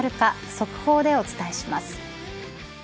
速報でお伝えします。